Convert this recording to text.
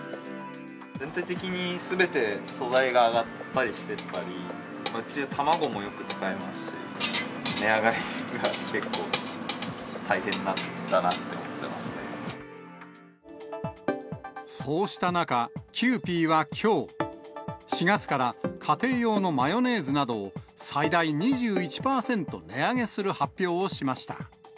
全体的にすべて素材が上がったりしてたり、うちは卵もよく使いますし、値上がりが結構大変だそうした中、キユーピーはきょう、４月から家庭用のマヨネーズなどを最大２１％値上げする発表をしました。